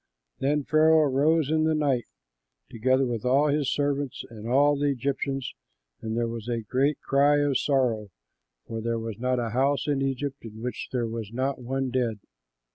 Then Pharaoh arose in the night, together with all his servants and all the Egyptians, and there was a great cry of sorrow, for there was not a house in Egypt in which there was not one dead.